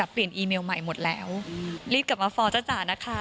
อีเมลใหม่หมดแล้วรีบกลับมาฟอร์จ้าจ๋านะคะ